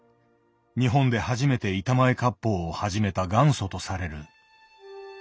日本で初めて板前割烹を始めた元祖とされる。